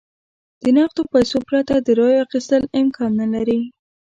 د نغدو پیسو پرته د رایو اخیستل امکان نه لري.